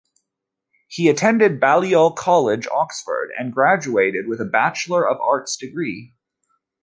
He attended Balliol College, Oxford, and graduated with a Bachelor of Arts degree.